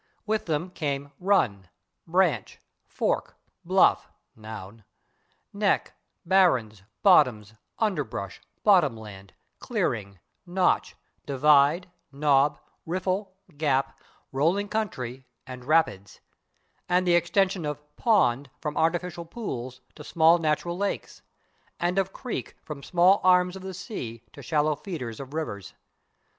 With them came /run/, /branch/, /fork/, /bluff/, (noun), /neck/, /barrens/, /bottoms/, /underbrush/, /bottom land/, /clearing/, /notch/, /divide/, /knob/, /riffle/, /gap/, /rolling country/ and /rapids/, and the extension of /pond/ from artificial pools to small natural lakes, and of /creek/ from small arms of the sea to shallow feeders of rivers.